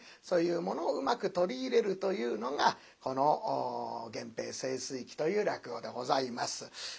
そういうものをうまく取り入れるというのがこの「源平盛衰記」という落語でございます。